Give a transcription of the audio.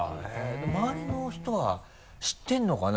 周りの人は知ってるのかな？